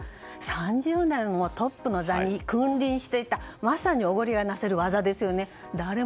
３０年もトップの座に君臨していたまさにおごりがなせる業ですよね。